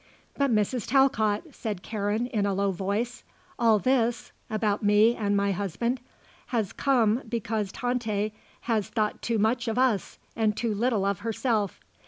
"But Mrs. Talcott," said Karen in a low voice, "all this about me and my husband has come because Tante has thought too much of us and too little of herself.